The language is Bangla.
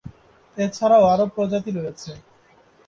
এছাড়াও আরো প্রজাতি রয়েছে।